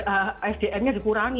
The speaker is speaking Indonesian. kemudian penggunaan regennya dikurangi